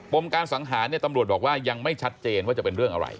มการสังหารเนี่ยตำรวจบอกว่ายังไม่ชัดเจนว่าจะเป็นเรื่องอะไร